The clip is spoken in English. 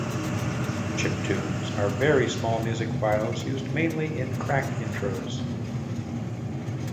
Chiptunes are very small music files used mainly in crack intros.